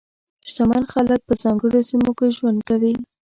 شتمن خلک په ځانګړو سیمو کې ژوند کوي.